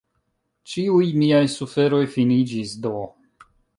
Ĉiuj miaj suferoj finiĝis do!